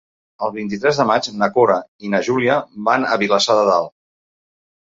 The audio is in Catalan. El vint-i-tres de maig na Cora i na Júlia van a Vilassar de Dalt.